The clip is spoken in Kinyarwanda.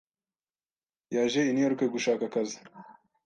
Yaje i New York gushaka akazi.